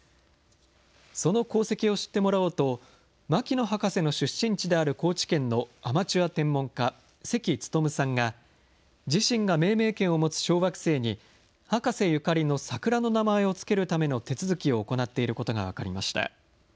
その功績を知ってもらおうと、牧野博士の出身地である高知県のアマチュア天文家、関勉さんが、自身が命名権を持つ小惑星に、博士ゆかりの桜の名前を付けるための手続きを行っていることが分かりました。